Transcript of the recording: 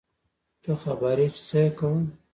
ته خبر يې چې څه يې کول.